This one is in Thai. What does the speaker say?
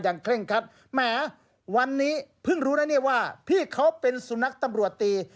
อย่างเคร่งขันแหมวันนี้เพิ่งรู้ไงว่าพี่เค้าเป็นสนุกตำรวจตี